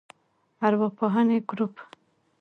ارواپوهنې ګروپ